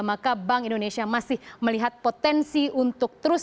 maka bank indonesia masih melihat potensi untuk terus